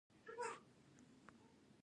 وګړي د افغانستان د امنیت په اړه هم اغېز لري.